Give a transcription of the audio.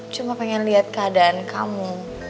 cuma pengen lihat keadaan kamu